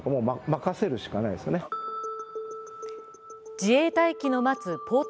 自衛隊機の待つポート